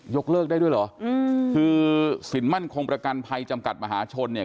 เลิกได้ด้วยเหรออืมคือสินมั่นคงประกันภัยจำกัดมหาชนเนี่ย